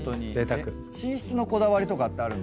寝室のこだわりとかってある？